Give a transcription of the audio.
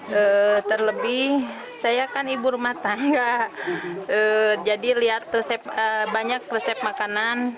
jadi terlebih saya kan ibu rumah tangga jadi lihat resep banyak resep makanan